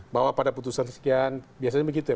bahwa pada putusan sekian biasanya begitu ya